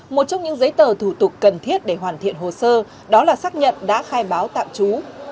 một trong những giấy tờ thủ tục cần thiết để hoàn thiện hồ sơ đó là xác nhận đã khai báo tạm trú